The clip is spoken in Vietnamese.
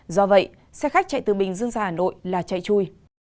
do vậy xe khách chạy từ bình dương ra hà nội là chạy chui